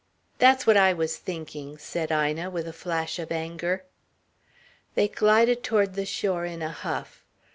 "That's what I was thinking," said Ina, with a flash of anger. They glided toward the shore in a huff.